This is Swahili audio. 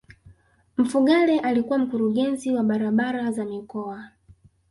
mfugale alikuwa mkurugenzi wa barabara za mikoa